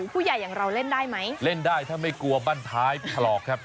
อย่างเราเล่นได้ไหมเล่นได้ถ้าไม่กลัวบ้านท้ายถลอกครับ